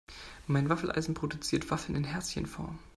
Mein Waffeleisen produziert Waffeln in Herzchenform.